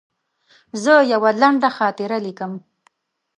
زه یوه لنډه خاطره لیکم.